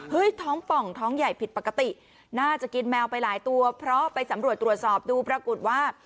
ท้องป่องท้องใหญ่ผิดปกติน่าจะกินแมวไปหลายตัวเพราะไปสำรวจตรวจสอบดูปรากฏว่า